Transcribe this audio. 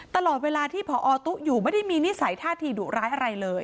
ตลอดเวลาที่พอตุ๊อยู่ไม่ได้มีนิสัยท่าทีดุร้ายอะไรเลย